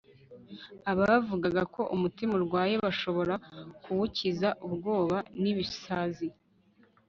abavugaga ko umutima urwaye bashobora kuwukiza ubwoba n'ibisazi